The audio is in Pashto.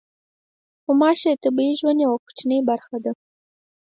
غوماشې د طبیعي ژوند یوه کوچنۍ برخه ده.